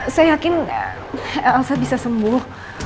saya yakin elsa bisa sembuh